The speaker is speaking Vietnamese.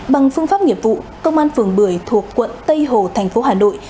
bằng phương pháp nghiệp vụ công an phường bưởi thuộc quận tây hồ thành phố hà nội